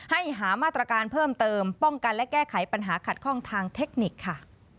หามาตรการเพิ่มเติมป้องกันและแก้ไขปัญหาขัดข้องทางเทคนิคค่ะ